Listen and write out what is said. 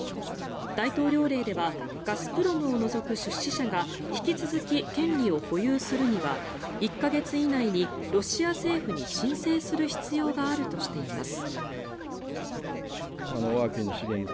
大統領令ではガスプロムを除く出資者が引き続き権利を保有するには１か月以内にロシア政府に申請する必要があるとしています。